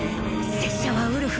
拙者はウルフ。